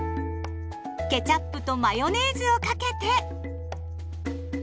ケチャップとマヨネーズをかけて。